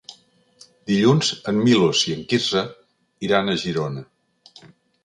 Dilluns en Milos i en Quirze iran a Girona.